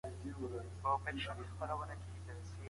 لیکل د معلوماتو په ساتلو کي تر اورېدلو غوره دي.